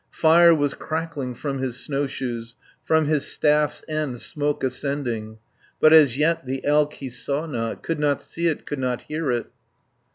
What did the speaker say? Fire was crackling from his snowshoes, From his staff's end smoke ascending, But as yet the elk he saw not; Could not see it; could not hear it.